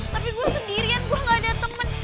tapi gue sendirian gue gak ada temen